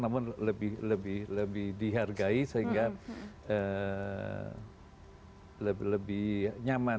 namun lebih dihargai sehingga lebih nyaman